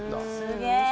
すげえ！